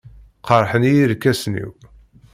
Qerḥen-iyi yirkasen-iw.